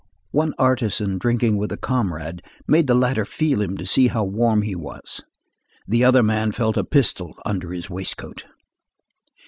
One artisan drinking with a comrade made the latter feel him to see how warm he was; the other man felt a pistol under his waistcoat.